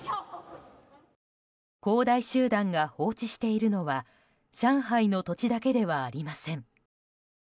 恒大集団が放置しているのは上海の土地だけではありません。